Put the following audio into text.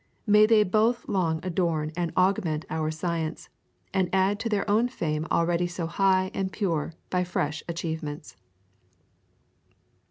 May they both long adorn and augment our science, and add to their own fame already so high and pure, by fresh achievements."